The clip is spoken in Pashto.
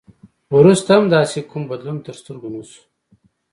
وروسته هم داسې کوم بدلون تر سترګو نه شو.